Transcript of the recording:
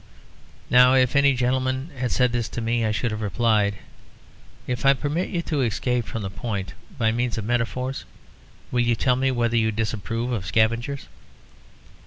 Now if any gentleman had said this to me, I should have replied, "If I permit you to escape from the point by means of metaphors, will you tell me whether you disapprove of scavengers?"